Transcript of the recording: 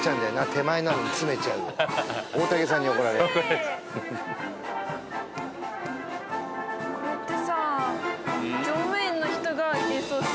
手前なのに詰めちゃう大竹さんに怒られるこれってさうん？